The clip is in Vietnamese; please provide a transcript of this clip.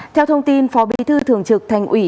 theo thông tin phó bí thư thường trực thành ủy